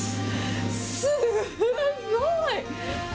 すごい。